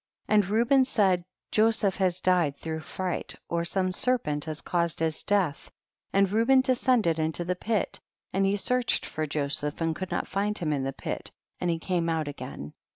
3. And Reuben said, Joseph has died through fright, or some serpent has caused his death ; and Reuben descended into the pit, and he search ed for Joseph and could not find him in the pit, and he came out again.